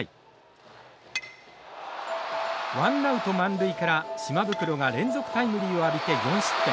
ワンアウト満塁から島袋が連続タイムリーを浴びて４失点。